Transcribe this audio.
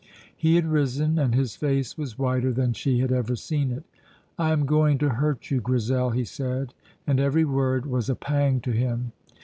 He had risen, and his face was whiter than she had ever seen it. "I am going to hurt you, Grizel," he said, and every word was a pang to him.